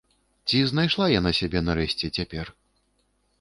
Ці знайшла яна сябе, нарэшце, цяпер?